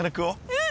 うん！